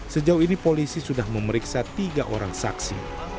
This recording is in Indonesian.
sejauh ini polisi sudah memeriksa tiga orang saksi